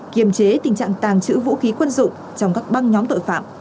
kiềm chế tình trạng tàng trữ vũ khí quân dụng trong các băng nhóm tội phạm